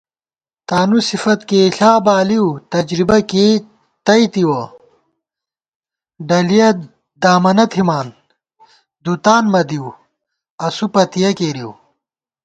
تانُو صفت کېئیݪا بالِیؤ، تجربہ کېئی تَئیتِوَہ * ڈلِیَہ دامَنہ تھِمان دُتان مہ دِیؤ، اسُو پَتِیَہ کېرِیؤ